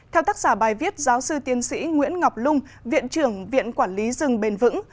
theo tác giả bài viết giáo sư tiến sĩ nguyễn ngọc lung viện trưởng viện quản lý rừng bền vững